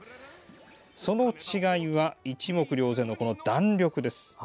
その違いは一目瞭然のこの弾力です。